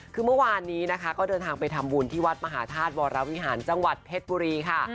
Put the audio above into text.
คือเมื่อวานนี้นะคะก็เดินทางไปทำบุญที่วัดมหาธาตุวรวิหารจังหวัดเพชรบุรีค่ะ